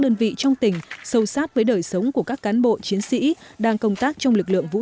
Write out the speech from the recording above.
đơn vị trong tỉnh sâu sát với đời sống của các cán bộ chiến sĩ đang công tác trong lực lượng vũ